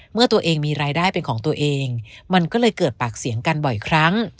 เมื่อตัวเองมีรายได้เป็นของตัวเองมันก็เลยเกิดปากเสียงกันบ่อยครั้ง